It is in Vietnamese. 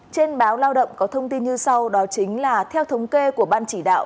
trên báo lao động có thông tin như sau đó chính là theo thống kê của ban chỉ đạo